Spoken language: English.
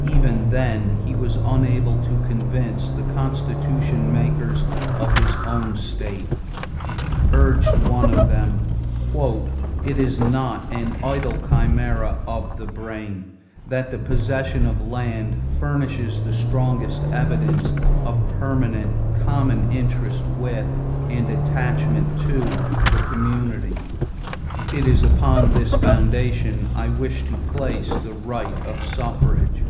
Even then he was unable to convince the constitution makers of his own state. "It is not an idle chimera of the brain," urged one of them, "that the possession of land furnishes the strongest evidence of permanent, common interest with, and attachment to, the community.... It is upon this foundation I wish to place the right of suffrage.